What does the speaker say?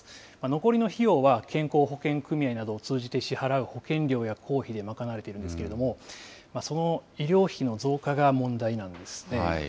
残りの費用は健康保険組合などを通じて支払う保険料や公費で賄われているんですけれども、その医療費の増加が問題なんですね。